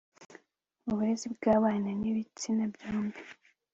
uburezi bw'abana b'ibitsina byombi